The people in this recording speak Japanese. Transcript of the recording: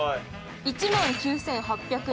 １万９８００円。